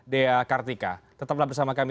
dea kartika tetaplah bersama kami